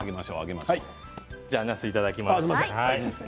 なすをいただきますね。